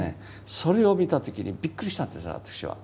それを見た時にびっくりしたんです私は。